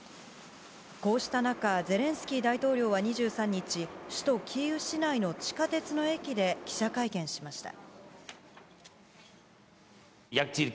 こうした中、ゼレンスキー大統領は２３日、首都キーウ市内の地下鉄の駅で記者会見しました。